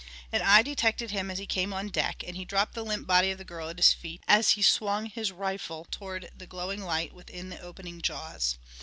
An eye detected him as he came on deck, and he dropped the limp body of the girl at his feet as he swung his rifle toward the glowing light within the opening jaws.